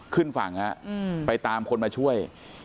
ขึ้นฝั่งฮะไปตามคนมาช่วย